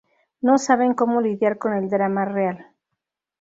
No saben cómo lidiar con el drama real".